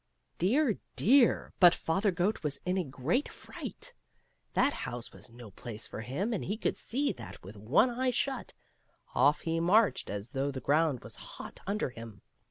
Dear, dear ! but Father Goat was in a great fright ; that house was no place for him, and he could see that with one eye shut ; off he marched, as though the ground was hot under him.